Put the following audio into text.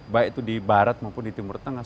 baik itu di barat maupun di timur tengah